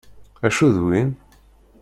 Acu d win?